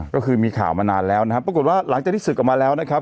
ก็คือมีข่าวมานานแล้วนะครับปรากฏว่าหลังจากที่ศึกออกมาแล้วนะครับ